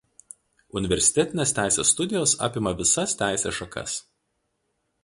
Universitetinės teisės studijos apima visas teisės šakas.